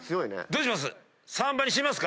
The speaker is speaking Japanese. どうします？